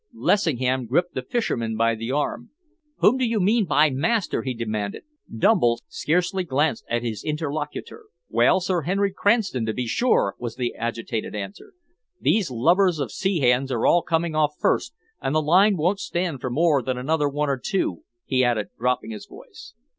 Lessingham gripped the fisherman by the arm. "Whom do you mean by 'master'?" he demanded. Dumble scarcely glanced at his interlocutor. "Why, Sir Henry Cranston, to be sure," was the agitated answer. "These lubbers of sea hands are all coming off first, and the line won't stand for more than another one or two," he added, dropping his voice.